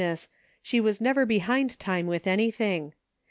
ness, she was never behind time with anything.